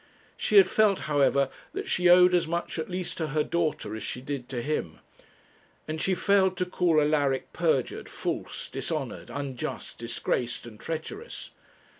She had felt, however, that she owed as much, at least, to her daughter as she did to him, and she failed to call Alaric perjured, false, dishonoured, unjust, disgraced, and treacherous.